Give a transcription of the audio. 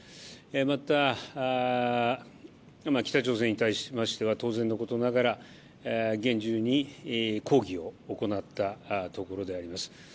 また、北朝鮮に対しましては当然のことながら厳重に抗議を行ったところであります。